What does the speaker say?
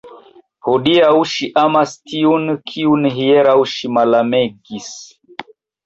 Hodiaŭ ŝi amas tiun, kiun hieraŭ ŝi malamegis!